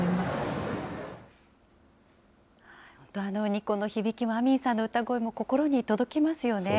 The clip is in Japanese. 二胡の響きもアミンさんの歌声も心に響きますよね。